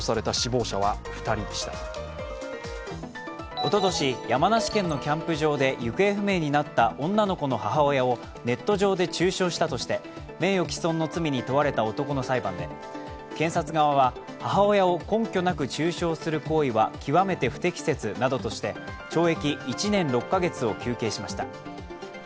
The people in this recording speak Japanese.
おととし、山梨県のキャンプ場で行方不明になった女の子の母親をネット上で中傷したとして名誉毀損の罪に問われた男の裁判で検察側は、母親を根拠なく中傷する行為は極めて不適切などとして懲役１年６カ月を求刑しました。